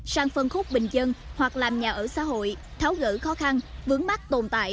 sang phân khúc bình dân hoặc làm nhà ở xã hội tháo gỡ khó khăn vướng mắt tồn tại